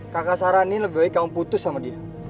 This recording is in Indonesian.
kakak saranin lebih baik kamu putus sama dia